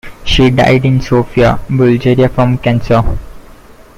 She died in Sofia, Bulgaria from cancer.